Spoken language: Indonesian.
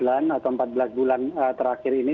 sembilan atau empat belas bulan terakhir ini